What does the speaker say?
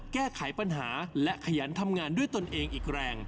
แก้ไขปัญหาและขยันทำงานด้วยตนเองอีกแรง